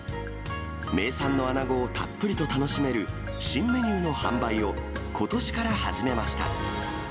名産のアナゴをたっぷりと楽しめる、新メニューの販売をことしから始めました。